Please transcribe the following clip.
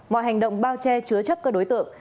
mọi hành động bao che chứa chấp các đối tượng